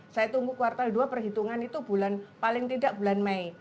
saya tunggu kuartal dua perhitungan itu paling tidak bulan mei